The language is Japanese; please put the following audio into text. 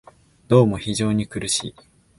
どうも非常に苦しい